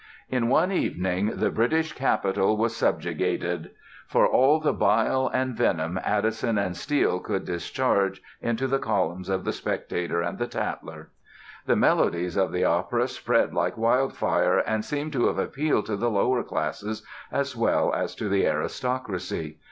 In one evening the British capital was subjugated, for all the bile and venom Addison and Steele could discharge into the columns of The Spectator and The Tatler. The melodies of the opera spread like wildfire and seem to have appealed to the lower classes as well as to the aristocracy.